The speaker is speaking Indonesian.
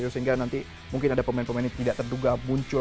sehingga nanti mungkin ada pemain pemain yang tidak terduga muncul